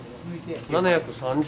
７３０？